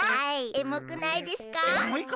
エモくないですか？